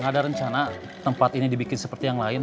ada rencana tempat ini dibikin seperti yang lain